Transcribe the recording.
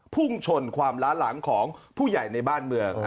พุ่งชนความล้าหลังของผู้ใหญ่ในบ้านเมือง